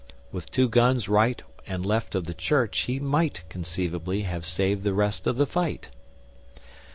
With two guns right and left of the church he might conceivably have saved the rest of the fight.